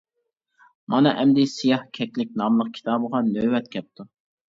مانا ئەمدى «سىياھ كەكلىك» ناملىق كىتابىغا نۆۋەت كەپتۇ.